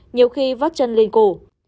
nhiều khi vắt chân lên cổ